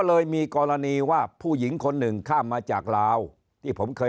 เลยมีกรณีว่าผู้หญิงคนหนึ่งข้ามมาจากลาวที่ผมเคย